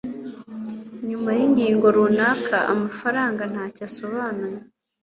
Nyuma yingingo runaka, amafaranga ntacyo asobanuye.